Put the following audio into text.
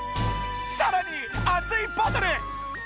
さらに熱いバトル！